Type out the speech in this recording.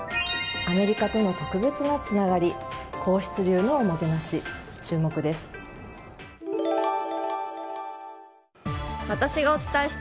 アメリカとの特別なつながり皇室流のおもてなし。